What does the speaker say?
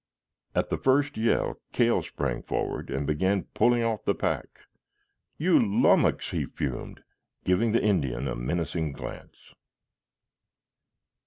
At the first yell, Cale sprang forward and began pulling off the pack. "You lummox!" he fumed, giving the Indian a menacing glance.